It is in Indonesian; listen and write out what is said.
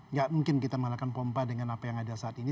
nggak mungkin kita mengalahkan pompa dengan apa yang ada saat ini